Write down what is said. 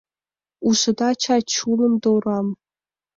Ужыда чай чулым Дорам?